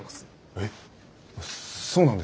えっそうなんですか？